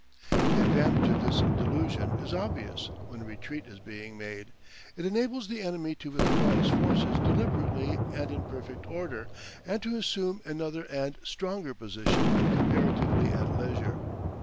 The advantage of this delusion is obvious when a retreat is being made. It enables the enemy to withdraw his forces deliberately and in perfect order, and to assume another and stronger position comparatively at leisure.